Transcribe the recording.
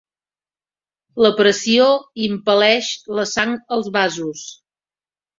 La pressió impel·leix la sang als vasos.